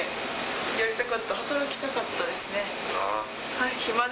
やりたかった、働きたかったですね。